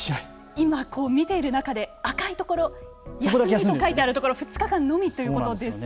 今見ている中で赤いところ休みと書いてあるところ２日間のみということですよね。